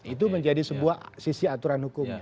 itu menjadi sebuah sisi aturan hukum